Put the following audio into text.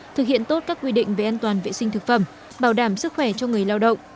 thực hiện tốt các quy định về an toàn vệ sinh thực phẩm bảo đảm sức khỏe cho người lao động